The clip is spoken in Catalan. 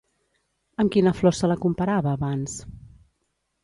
Amb quina flor se la comparava abans?